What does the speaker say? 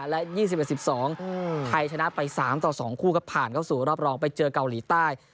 ๒๐๑๕และ๒๐๑๒ไทยชนะไปสามต่อสองคู่ก็ผ่านเข้าสู่รอบรองไปเจอกาหลีใต้